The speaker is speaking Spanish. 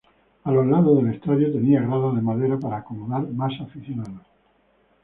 A los lados el estadio tenía gradas de madera para acomodar más aficionados.